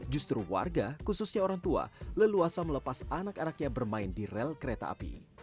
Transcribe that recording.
justru warga khususnya orang tua leluasa melepas anak anaknya bermain di rel kereta api